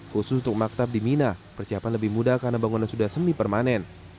khusus untuk maktab di mina persiapan lebih mudah karena bangunan sudah semi permanen